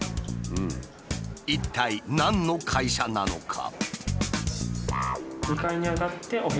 一体何の会社なのか？